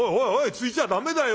ついちゃ駄目だよ。